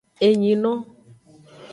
Enyino.